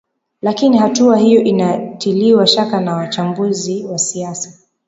lakini hatua hiyo inatiliwa shaka na wachambuzi wa siasa